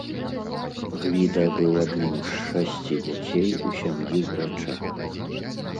Гвіда быў адным з шасці дзяцей у сям'і ўрача.